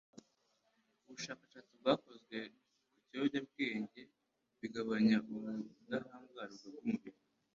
Ubushakashatsi bwakozwe ku biyobyabwenge bigabanya ubudahangarwa bw'umubiri